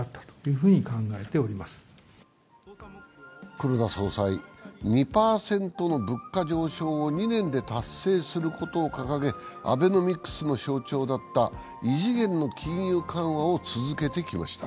黒田総裁、２％の物価上昇を２年で達成することを掲げアベノミクスの象徴だった異次元の金融緩和を続けてきました。